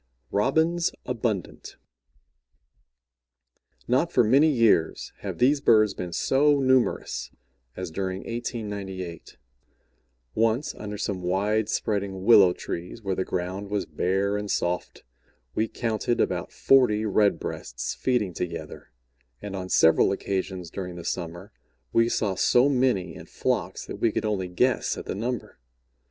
ROBINS ABUNDANT Not for many years have these birds been so numerous as during 1898. Once, under some wide spreading willow trees, where the ground was bare and soft, we counted about forty Red breasts feeding together, and on several occasions during the summer we saw so many in flocks, that we could only guess at the number.